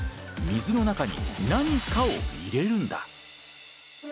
水の中に何かを入れるんだ。